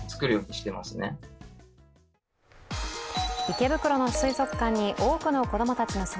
池袋の水族館に多くの子供たちの姿。